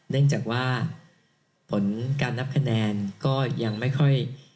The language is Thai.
เนื่องจากว่าผลการนับคะแนนก็ยังไม่ค่อย